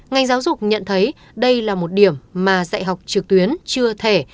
ngành giáo dục nhận thấy đây là một điểm mà dạy học trực tuyến chưa thể